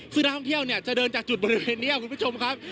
ซึ่งนักท่องเที่ยวเนี่ยจะเดินจากจุดบริเวณนี้คุณผู้ชมครับ